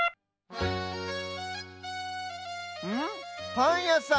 パンやさん。